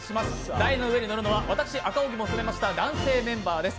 台の上に乗るのは私、赤荻も含めました男性メンバーです。